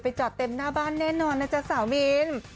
จอดเต็มหน้าบ้านแน่นอนนะจ๊ะสาวมิน